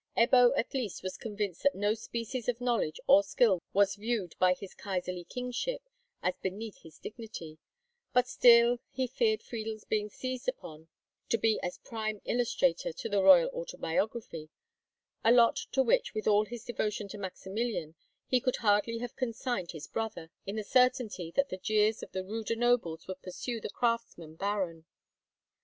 Ebbo at least was convinced that no species of knowledge or skill was viewed by his kaisarly kingship as beneath his dignity; but still he feared Friedel's being seized upon to be as prime illustrator to the royal autobiography—a lot to which, with all his devotion to Maximilian, he could hardly have consigned his brother, in the certainty that the jeers of the ruder nobles would pursue the craftsman baron.